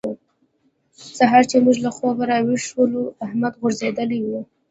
سهار چې موږ له خوبه راويښ شولو؛ احمد غورځېدلی وو.